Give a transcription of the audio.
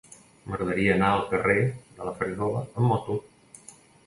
M'agradaria anar al carrer de la Farigola amb moto.